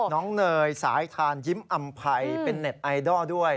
เนยสายทานยิ้มอำภัยเป็นเน็ตไอดอลด้วย